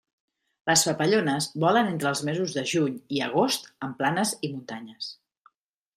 Les papallones volen entre els mesos de juny i agost en planes i muntanyes.